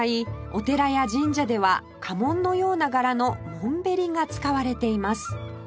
お寺や神社では家紋のような柄の紋縁が使われています